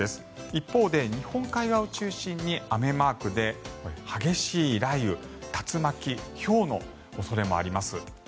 一方で日本海側を中心に雨マークで激しい雷雨、竜巻ひょうの恐れもあります。